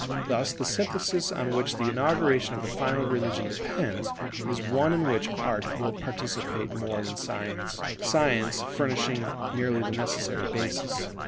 Thus the synthesis on which the inauguration of the final religion depends, is one in which Art will participate more than Science, Science furnishing merely the necessary basis.